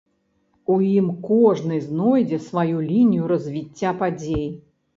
У ім кожны знойдзе сваю лінію развіцця падзей.